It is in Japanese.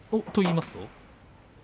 と、いいますと？